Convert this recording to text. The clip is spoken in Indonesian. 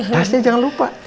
tasnya jangan lupa